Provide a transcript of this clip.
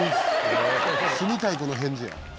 住みたい子の返事や。